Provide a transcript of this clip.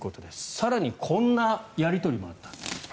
更にこんなやり取りもあった。